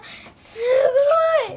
すごい！